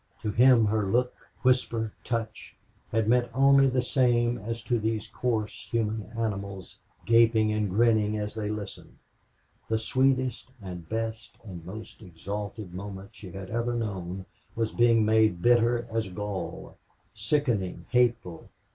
To him her look, whisper, touch had meant only the same as to these coarse human animals gaping and grinning as they listened. The sweetest and best and most exalted moment she had ever known was being made bitter as gall, sickening, hateful.